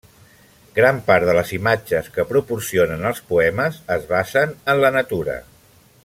Gran part de les imatges que proporcionen els poemes es basen en la natura.